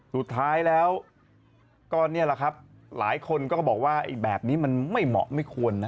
สุดท้ายแล้วก็นี่แหละครับหลายคนก็บอกว่าแบบนี้มันไม่เหมาะไม่ควรนะ